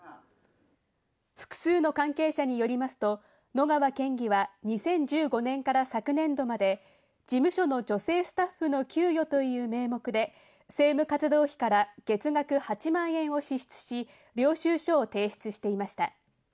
複数の関係者によりますと野川県議は２０１５年から昨年度まで、事務所の女性スタッフの給与という名目で政務活動費から月額８万円を支出し、領収書を提出していました。